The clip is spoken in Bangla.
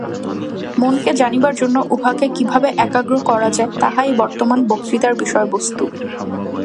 মনকে জানিবার জন্য উহাকে কিভাবে একাগ্র করা যায়, তাহাই বর্তমান বক্তৃতার বিষয়বস্তু।